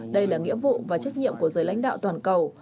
đây là nghĩa vụ và trách nhiệm của giới lãnh đạo toàn cầu